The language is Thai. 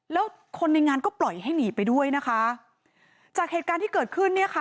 แล้วคนในงานก็ปล่อยให้หนีไปด้วยนะคะจากเหตุการณ์ที่เกิดขึ้นเนี่ยค่ะ